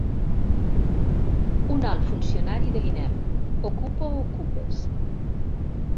Un alt funcionari de l'INEM: —Ocupo okupes.